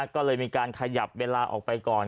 ก็เลยมีการขยับเวลาออกไปก่อน